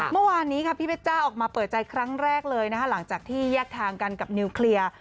เมื่อวานนี้ค่ะพี่เพชจ้าออกมาเปิดใจครั้งแรกเลยนะคะหลังจากที่แยกทางกันกับนิวเคลียร์